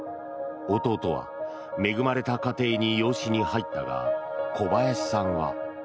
弟は恵まれた家庭に養子に入ったが小林さんは。